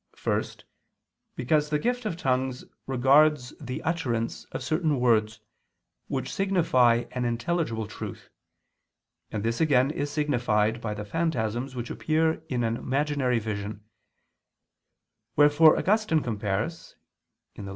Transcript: First, because the gift of tongues regards the utterance of certain words, which signify an intelligible truth, and this again is signified by the phantasms which appear in an imaginary vision; wherefore Augustine compares (Gen. ad lit.